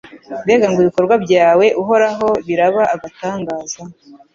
Mbega ngo ibikorwa byawe Uhoraho biraba agatangaza